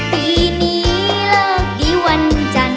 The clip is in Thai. ปีนี้แล้วกี่วันจันทร์